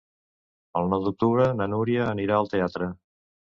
El nou d'octubre na Núria anirà al teatre.